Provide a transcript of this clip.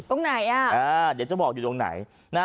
ตรงไหนเดี๋ยวจะบอกอยู่ตรงไหน